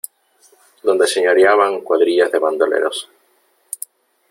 donde señoreaban cuadrillas de bandoleros :